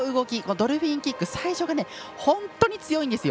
ドルフィンキック最初が本当に強いんですよ。